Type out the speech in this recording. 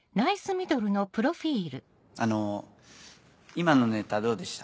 あの今のネタどうでした？